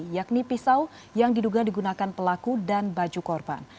yakni pisau yang diduga digunakan pelaku dan baju korban